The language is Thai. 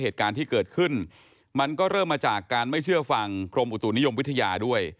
แต่จากการไม่เชื่อฟังกรมอุตุนิยมวิทยาด้วย